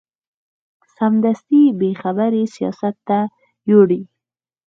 سمدستي یې خبرې سیاست ته یوړې.